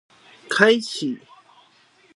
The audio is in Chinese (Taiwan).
開啟